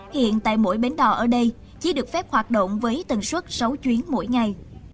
hiện tại mỗi bến đò ở đây chỉ được phép hoạt động với tần suất sáu chuyến mỗi ngày